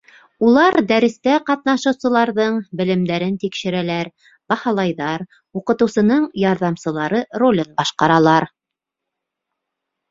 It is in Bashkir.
Улар дәрестә ҡатнашыусыларҙың белемдәрен тикшерәләр, баһалайҙар, уҡытыусының ярҙамсылары ролен башҡаралар.